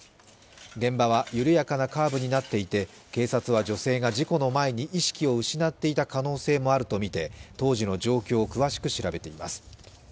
現場は緩やかなカーブになっていて、警察は女性が事故の前に意識を失っていた可能性もあるとみて当時の状況を詳しく調べています。